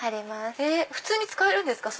普通に使えるんですか？